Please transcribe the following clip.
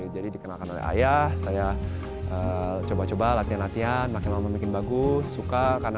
jadi dikenalkan oleh ayah saya coba coba latihan latihan makin membuat bagus suka karena